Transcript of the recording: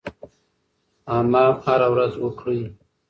حمام هره ورځ وکړئ.